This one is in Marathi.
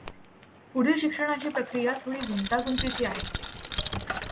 पुढील शिक्षणाची प्रक्रीया थोडी गुंतागुंतीची आहे.